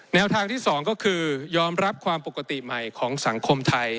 แนวทางที่๒ก็คือยอมรับความปกติใหม่ของสังคมไทย